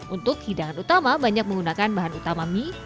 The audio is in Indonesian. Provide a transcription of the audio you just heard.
untuk hidangan utama banyak menggunakan bahan utama mie